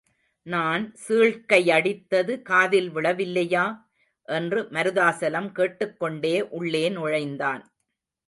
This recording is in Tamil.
நான் சீழ்க்கையடித்தது காதில் விழவில்லையா? என்று மருதாசலம் கேட்டுக்கொண்டே உள்ளே நுழைந்தான்.